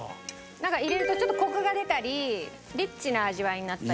なんか入れるとちょっとコクが出たりリッチな味わいになったり。